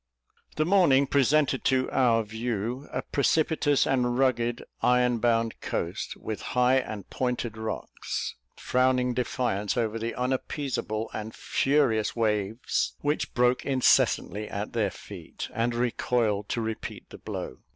The morning presented to our view a precipitous and rugged iron bound coast, with high and pointed rocks, frowning defiance over the unappeaseable and furious waves which broke incessantly at their feet, and recoiled to repeat the blow.